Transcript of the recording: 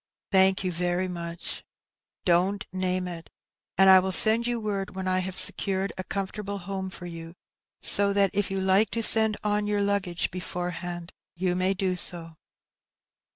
"Thank you very much." "Don't name it; but I will send yon word when I have secured a comfortable home for you, so that if you like to send on your luggage beforehand, you may do so."